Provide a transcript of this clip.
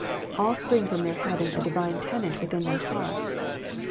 All spring from their having a Divine tenant within their hearts.